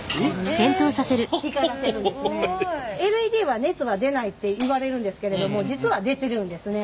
ＬＥＤは熱が出ないっていわれるんですけれども実は出てるんですね。